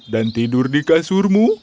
dan tidur di kasurmu